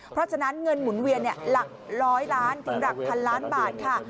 เพราะฉะนั้นเงินหมุนเวียนหลัก๑๐๐ล้านถึงหลักพันล้านบาทค่ะ